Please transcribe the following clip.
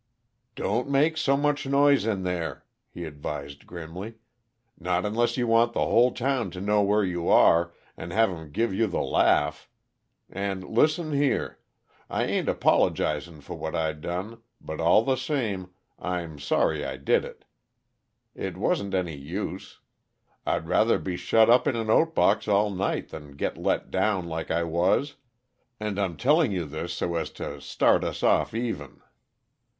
"Don't make so much noise in there," he advised grimly, "not unless you want the whole town to know where you are, and have 'em give you the laugh. And, listen here: I ain't apologizing for what I done, but, all the same, I'm sorry I did it. It wasn't any use. I'd rather be shut up in an oats box all night than get let down like I was and I'm telling you this so as to start us off even.